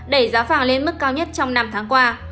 đẩy giá vàng lên mức cao nhất trong năm tháng qua